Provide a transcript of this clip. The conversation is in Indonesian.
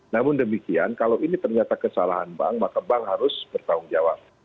namun demikian kalau ini ternyata kesalahan bank maka bank harus bertanggung jawab